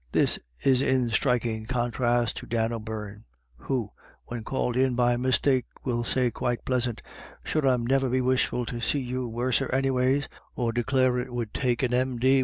This is in striking contrast to Dan O'Beirne, who, when called in by mistake, will say quite \ plisant. "Sure I'd niver be wishful to see you worser anyways," or declare it would take an 196 IRISH IDYLLS. M.D.